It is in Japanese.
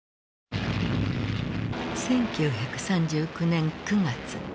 １９３９年９月。